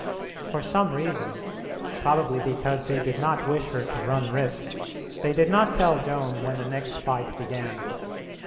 For some reason, probably because they did not wish her to run risk, they did not tell Joan when the next fight began.